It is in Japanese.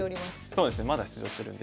そうですねまだ出場するんで。